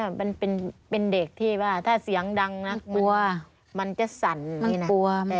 มันกลัวแต่แด่มันเล็กอ่ะ